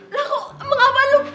lah kok mengapa lo